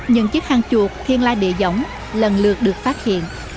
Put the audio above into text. những chiếc hang chuột thiên la địa dõng lần lượt được phát hiện